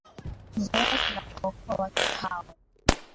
zoezi la kuwaokoa watu hao